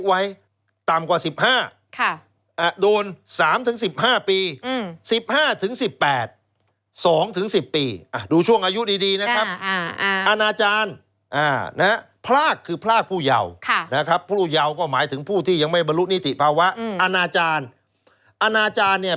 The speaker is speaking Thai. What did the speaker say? แฟนเก่าแฟนเก่าแฟนเก่าแฟนเก่าแฟนเก่าแฟนเก่าแฟนเก่าแฟนเก่าแฟนเก่าแฟนเก่าแฟนเก่า